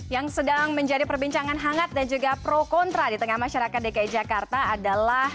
yang sedang menjadi perbincangan hangat dan juga pro kontra di tengah masyarakat dki jakarta adalah